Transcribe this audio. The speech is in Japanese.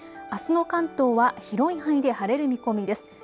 あすの関東は広い範囲で晴れる見込みです。